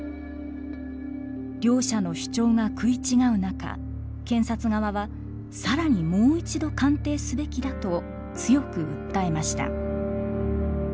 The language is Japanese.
両者の主張が食い違う中検察側は更にもう一度鑑定すべきだと強く訴えました。